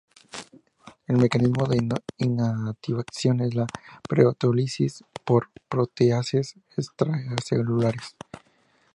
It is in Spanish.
El mecanismo de inactivación es la proteólisis, por proteasas extracelulares.